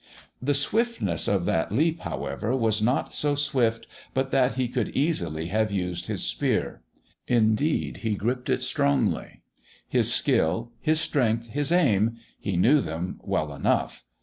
The swiftness of that leap, however, was not so swift but that he could easily have used his spear. Indeed, he gripped it strongly. His skill, his strength, his aim he knew them well enough.